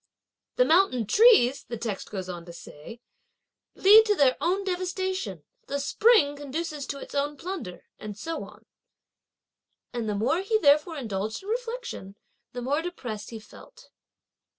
'The mountain trees,' the text goes on to say, 'lead to their own devastation; the spring (conduces) to its own plunder; and so on." And the more he therefore indulged in reflection, the more depressed he felt.